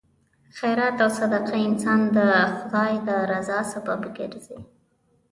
خیرات او صدقه انسان د خدای د رضا سبب ګرځي.